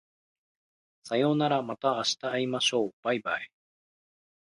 さようならまた明日会いましょう baibai